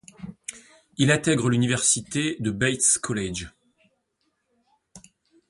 Il intègre l'université de Bates College.